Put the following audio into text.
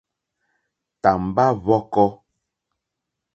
Tàmbá hwɔ̄kɔ̄.